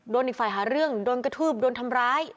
อีกฝ่ายหาเรื่องโดนกระทืบโดนทำร้าย